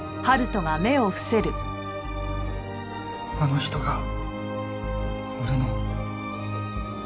あの人が俺の。